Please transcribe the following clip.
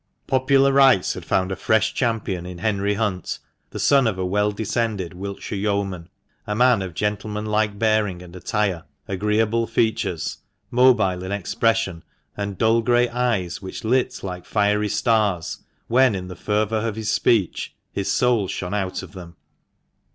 Popular rights had found a fresh champion in Henry Hunt, the son of a well descended Wiltshire yeoman, a man of gentlemanlike bearing and attire, agreeable features, mobile in expression, and dull grey eyes which lit like fiery stars when in the fervour of his speech his soul shone out of them.